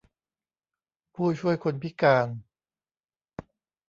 ผู้ช่วยคนพิการ